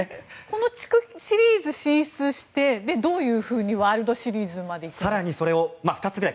この地区シリーズ進出してどういうふうにワールドシリーズまで行くんですか？